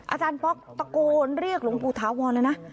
อาจารย์ป๊อกตะโกนเรียกหลวงปู่ถาวรเลยนะ